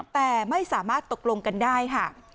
แต่ไม่สามารถตกลงกันได้ค่ะ